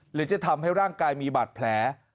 หรือจะทำให้ร่างกายมีบาดแผล